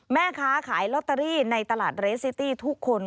แม่ค้าขายลอตเตอรี่ในตลาดเรสซิตี้ทุกคน